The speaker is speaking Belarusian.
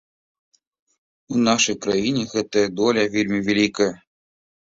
У нашай краіне гэтая доля вельмі вялікая.